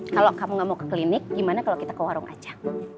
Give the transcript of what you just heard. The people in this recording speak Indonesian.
kalau kamu gak mau ke klinik gimana kalau kita ke warung aja